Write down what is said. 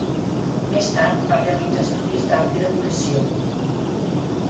Més tard va realitzar estudis d'Art i Decoració.